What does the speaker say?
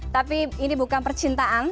tapi ini bukan percintaan